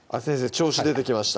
調子出てきました